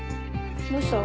どうした？